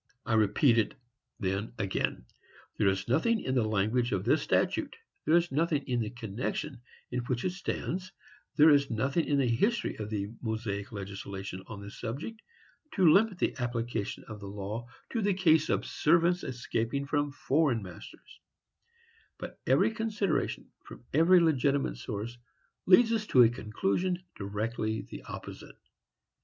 I repeat it, then, again: there is nothing in the language of this statute, there is nothing in the connection in which it stands, there is nothing in the history of the Mosaic legislation on this subject, to limit the application of the law to the case of servants escaping from foreign masters; but every consideration, from every legitimate source, leads us to a conclusion directly the opposite.